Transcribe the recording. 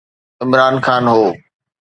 عمران خان هو.